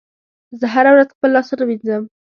زه هره ورځ خپل لاسونه مینځم.